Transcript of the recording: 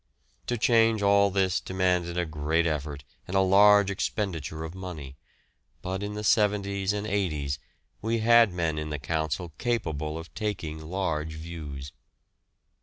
To change all this demanded a great effort and a large expenditure of money, but in the 'seventies and 'eighties we had men in the Council capable of taking large views.